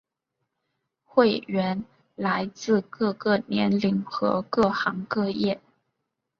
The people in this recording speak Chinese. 会员来自各个年龄和各行各业。